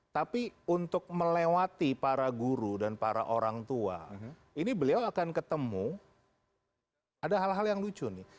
tapi untuk melewati para guru dan para orang tua ini beliau akan ketemu ada hal hal yang lucu nih